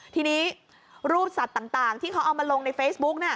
ทีนี้รูปสัตว์ต่างที่เขาเอามาลงในเฟซบุ๊ก